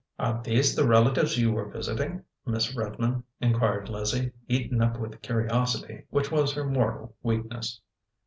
"Are these the relatives you were visiting, Miss Redmond?" inquired Lizzie, eaten up with curiosity, which was her mortal weakness.